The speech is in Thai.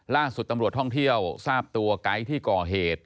ล่าสุดตำรวจท่องเที่ยวทราบตัวไก๊ที่ก่อเหตุ